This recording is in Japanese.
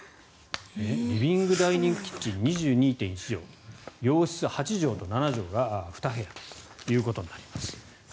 リビングダイニングキッチン２２．１畳洋室、８畳と７畳が２部屋ということになります。